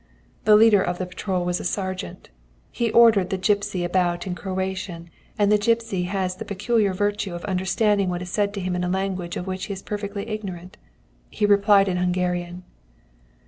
"The leader of the patrol was a sergeant. He ordered the gipsy about in Croatian, and the gipsy has the peculiar virtue of understanding what is said to him in a language of which he is perfectly ignorant. He replied in Hungarian.